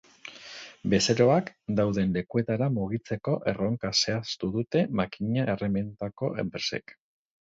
Bezeroak dauden lekuetara mugitzeko erronka zehaztu dute makina erremintako enpresek.